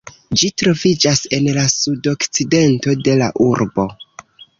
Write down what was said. Ĝi troviĝas en la sudokcidento de la urbo.